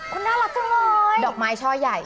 คุณน่ารักจังเลยดอกไม้ช่อใหญ่